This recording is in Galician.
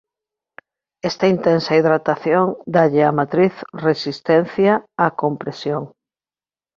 Esta intensa hidratación dálle á matriz resistencia á compresión.